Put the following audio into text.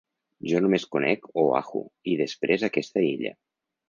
Jo només conec Oahu i després aquesta illa.